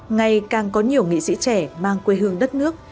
ngày càng có nhiều nghị sĩ trẻ mang quê hương đất nước